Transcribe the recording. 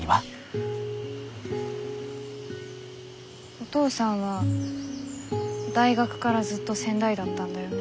お父さんは大学からずっと仙台だったんだよね？